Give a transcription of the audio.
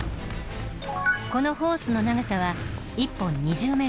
このホースの長さは１本２０ｍ。